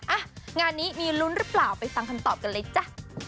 อ่ะงานนี้มีลุ้นหรือเปล่าไปฟังคำตอบกันเลยจ้ะ